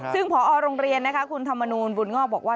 ซึ่งพอโรงเรียนนะคะคุณธรรมนูลบุญงอกบอกว่า